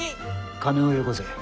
金をよこせ。